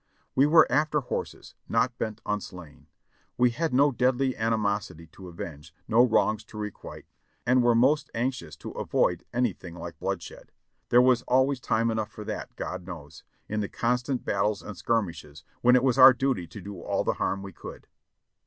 We were after horses, not bent on slaying. We had no deadly animosity to avenge, no wrongs to requite, and were most anxious to avoid anything like bloodshed — there was always time enough for that, God knows, in the constant battles and skirmishes, when it was our duty to do all the harm we could.